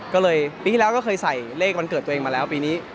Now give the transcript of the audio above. ก็เลยปีที่แล้วก็เคยใส่เลขวันเกิดตัวเองมาแล้วปีนี้